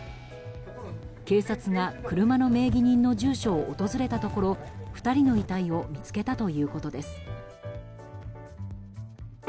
警察が車の名義人の住所を訪れたところ２人の遺体を見つけたということです。